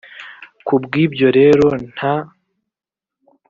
ku bw ibyo rero nta